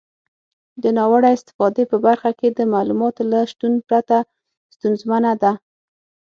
د ناوړه استفادې په برخه کې د معلوماتو له شتون پرته ستونزمنه ده.